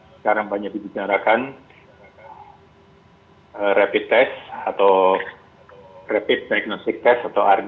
sekarang banyak dibicarakan rapid test atau rapid diagnostic test atau rd